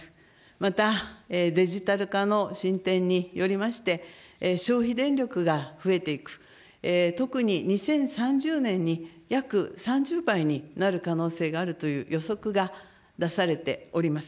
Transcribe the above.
またデジタル化の進展によりまして、消費電力が増えていく、特に２０３０年に、約３０倍になる可能性があるという予測が出されております。